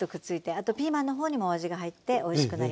あとピーマンのほうにもお味が入っておいしくなります。